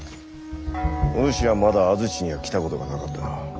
お主はまだ安土には来たことがなかったな。